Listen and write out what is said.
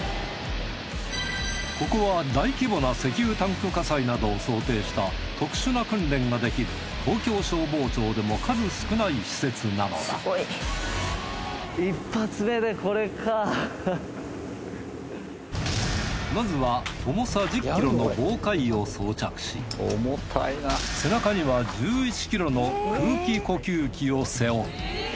ここは大規模な石油タンク火災などを想定した特殊な訓練ができる東京消防庁でも数少ない施設なのだまずは重さ１０ｋｇの防火衣を装着し背中には１１ｋｇの空気呼吸器を背負う。